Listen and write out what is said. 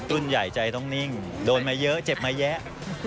รุ่นใหญ่ใจต้องนิ่งโดนมาเยอะเจ็บมาแยะ